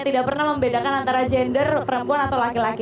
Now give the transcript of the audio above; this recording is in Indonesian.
tidak pernah membedakan antara gender perempuan atau laki laki